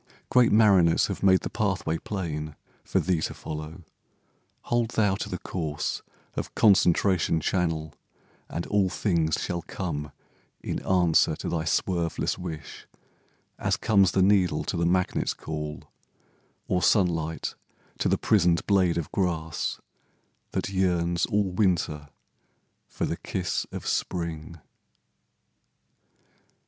Great mariners have made the pathway plain For thee to follow; hold thou to the course Of Concentration Channel, and all things Shall come in answer to thy swerveless wish As comes the needle to the magnet's call, Or sunlight to the prisoned blade of grass That yearns all winter for the kiss of spring.